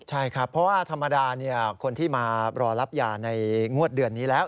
ใช่ครับเพราะว่าธรรมดาคนที่มารอรับยาในงวดเดือนนี้แล้ว